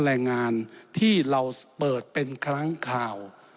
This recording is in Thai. แรงงานที่เราเปิดเป็นครั้งข่าว